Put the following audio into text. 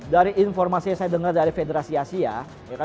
dari informasi yang saya dengar dari federasi asia